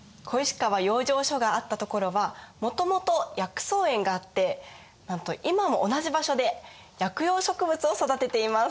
小石川養生所があった所はもともと薬草園があってなんと今も同じ場所で薬用植物を育てています。